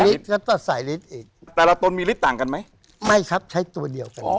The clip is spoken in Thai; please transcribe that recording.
ก็ต้องใส่ลิตรอีกแต่ละตนมีฤทธิต่างกันไหมไม่ครับใช้ตัวเดียวกัน